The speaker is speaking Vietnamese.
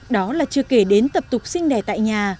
đó là chưa kể đến tập tục sinh đẻ tại nhà